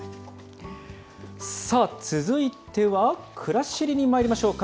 さあ、続いてはくらしりにまいりましょうか。